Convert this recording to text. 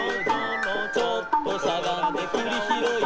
「ちょっとしゃがんでくりひろい」